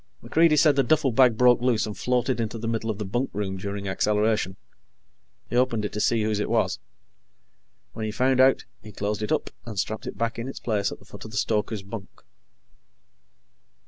MacReidie said the duffelbag broke loose and floated into the middle of the bunkroom during acceleration. He opened it to see whose it was. When he found out, he closed it up and strapped it back in its place at the foot of the stoker's bunk.